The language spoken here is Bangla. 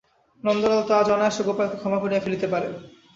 নন্দলাল তো আজ অনায়াসে গোপালকে ক্ষমা করিয়া ফেলিতে পারে।